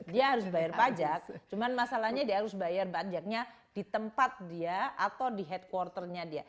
dia harus bayar pajak cuman masalahnya dia harus bayar pajaknya di tempat dia atau di headquarternya dia